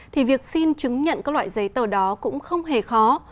thì việc xin chứng nhận các loại giấy tờ đó cũng không hề khó